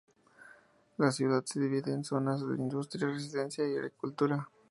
La ciudad se divide en zonas de industria, residencia y agricultura.